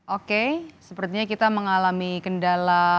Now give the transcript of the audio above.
oke sepertinya kita mengalami kendala